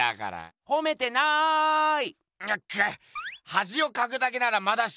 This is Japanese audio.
はじをかくだけならまだしも！